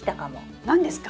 何ですか？